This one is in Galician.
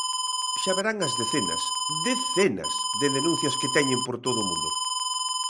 Xa verán as decenas, ¡decenas!, de denuncias que teñen por todo o mundo.